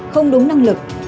không đúng năng lực